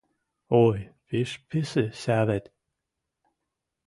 Ой, пиш пӹсӹ сӓ вет...